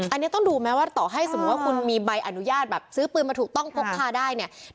อันนี้ต้องดูไหมว่าต่อให้สมมุติว่าคุณมีใบอนุญาตแบบซื้อปืนมาถูกต้องพกพาได้เนี่ย